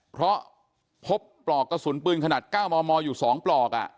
เพราะพบปลอกกระสุนปืนขนาดก้าวมอมออยู่สองปลอกอ่ะ